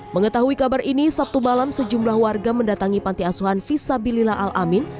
mengetahui kabar ini sabtu malam sejumlah warga mendatangi panti asuhan visabilillah al amin